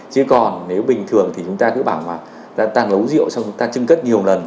chứ còn nếu bình thường thì chúng ta cứ bảo là ta nấu rượu xong chúng ta chưng cất nhiều lần